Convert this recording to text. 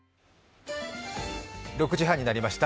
６時半になりました。